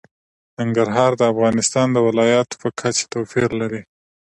ننګرهار د افغانستان د ولایاتو په کچه توپیر لري.